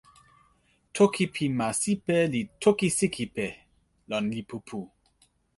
toki pi ma Sipe li "toki Sikipe" lon lipu pu.